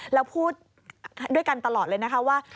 แล้วพูดด้วยกันตลอดเลยนะคะว่า